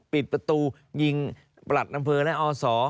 ปิดประตูยิงประหลัดอำเภอและอศ